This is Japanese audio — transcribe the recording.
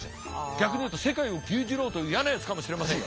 逆に言うと世界を牛耳ろうという嫌なやつかもしれませんよ。